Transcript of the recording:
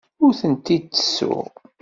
Ur tent-id-ttessuɣ.